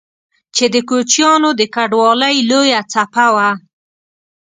چې د کوچيانو د کډوالۍ لويه څپه وه